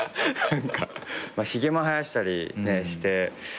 ひげも生やしたりして。